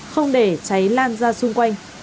không để cháy lan ra xung quanh